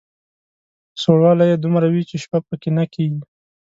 سوړوالی یې دومره وي چې شپه په کې نه کېږي.